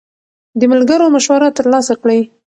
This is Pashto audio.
د ملګرو مشوره ترلاسه کړئ.